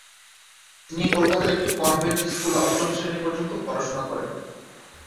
তিনি কলকাতার একটি কনভেন্ট স্কুলে অষ্টম শ্রেণী পর্যন্ত পড়াশোনা করেন।